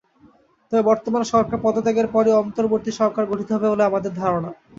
তবে বর্তমান সরকার পদত্যাগের পরই অন্তর্বর্তী সরকার গঠিত হবে বলে আমাদের ধারণা।